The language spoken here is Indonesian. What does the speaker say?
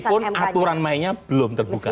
meskipun aturan mainnya belum terbuka